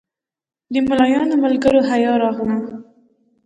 له ملایانو ملګرو حیا راغله.